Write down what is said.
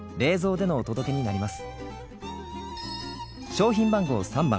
商品番号３番。